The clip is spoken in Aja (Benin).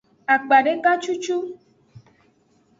Akpadeka cucu.